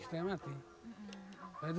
saya beri cukup pasar